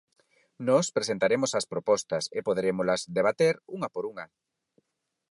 Nós presentaremos as propostas e poderémolas debater unha por unha.